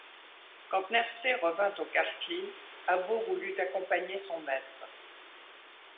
Quand Nersé revint au Kartli, Abo voulut accompagner son maître.